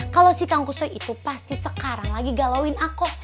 kalau si kangkung itu pasti sekarang lagi galauin aku